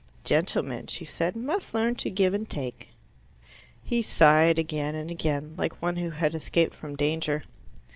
"Gentlemen," she said, "must learn to give and take." He sighed again and again, like one who had escaped from danger.